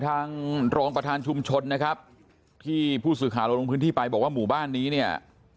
ทางรองประธานชุมชนนะครับที่ผู้สื่อข่าวเราลงพื้นที่ไปบอกว่าหมู่บ้านนี้เนี่ย